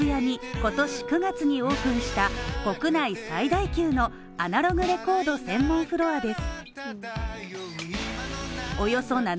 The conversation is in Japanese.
今年９月にオープンした国内最大級のアナログレコード専門フロアです。